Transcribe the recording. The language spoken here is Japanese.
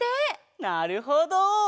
なるほど！